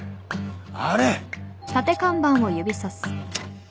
あれ。